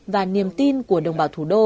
và niềm tin của đồng bào thủ đô